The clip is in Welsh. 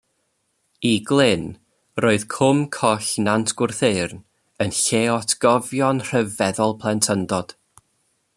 I Glyn, roedd cwm coll Nant Gwrtheyrn yn lle o atgofion rhyfeddol plentyndod.